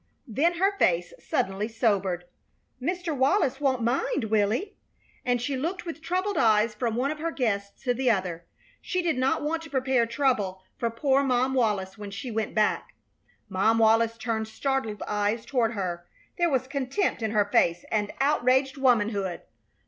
Then her face suddenly sobered. "Mr. Wallis won't mind, will he?" And she looked with troubled eyes from one of her guests to the other. She did not want to prepare trouble for poor Mom Wallis when she went back. Mom Wallis turned startled eyes toward her. There was contempt in her face and outraged womanhood.